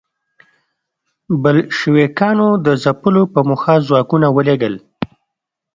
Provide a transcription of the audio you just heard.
د بلشویکانو د ځپلو په موخه ځواکونه ولېږل.